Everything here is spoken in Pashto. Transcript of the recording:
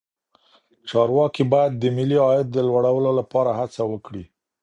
چارواکي باید د ملي عاید د لوړولو لپاره هڅه وکړي.